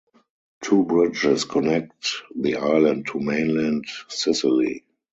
Two bridges connect the island to mainland Sicily.